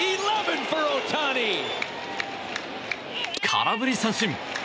空振り三振。